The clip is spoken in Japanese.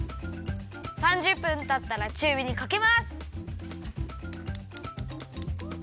３０分たったらちゅうびにかけます！